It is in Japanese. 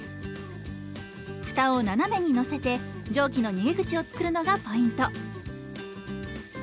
ふたを斜めにのせて蒸気の逃げ口を作るのがポイント。